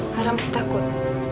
lara masih takut